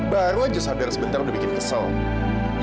baru aja sadar sebentar udah bikin kesel